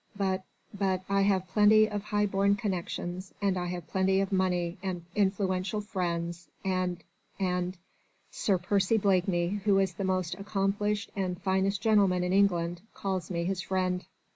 but ... but I have plenty of high born connexions, and I have plenty of money and influential friends ... and ... and Sir Percy Blakeney, who is the most accomplished and finest gentleman in England, calls me his friend."